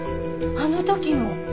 あの時の。